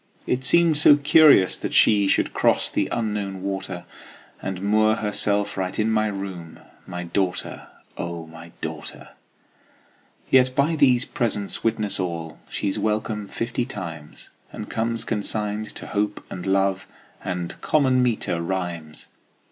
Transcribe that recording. It seemed so curious that she Should cross the Unknown water, And moor herself right in my room, My daughter, O my daughter! Yet by these presents witness all She's welcome fifty times, And comes consigned to Hope and Love And common meter rhymes.